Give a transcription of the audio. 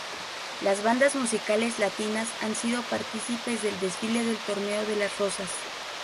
Las Bandas Musicales latinas han sido participes del Desfile del Torneo de las Rosas.